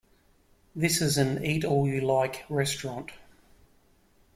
This is an Eat All You Like restaurant.